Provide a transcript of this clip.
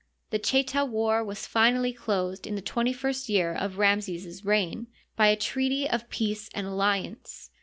The Cheta war was finally closed in the twenty first year of Ramses's reign by a treaty of peace and alliance.